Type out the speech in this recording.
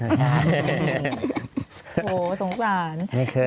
โหสงสาร